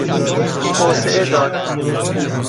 توسعه داد